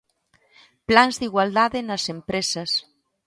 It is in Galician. Plans de igualdade nas empresas.